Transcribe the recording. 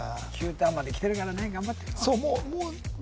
ターンまできてるからね頑張ってよ